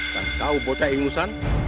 dan kau bocok ilusan